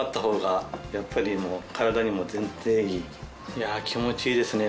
いや気持ちいいですね